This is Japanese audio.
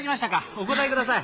お答えください。